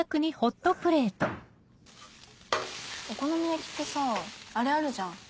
お好み焼きってさあれあるじゃん。